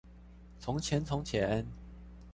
從前從前